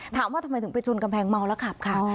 ถามว่าทำไมถึงไปชนกำแพงเมาแล้วขับค่ะ